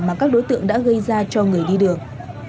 mà các đối tượng đã gây ra cho người đi đường